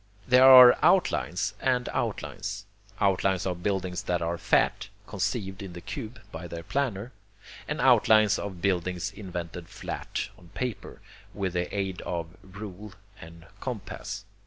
There are outlines and outlines, outlines of buildings that are FAT, conceived in the cube by their planner, and outlines of buildings invented flat on paper, with the aid of ruler and compass.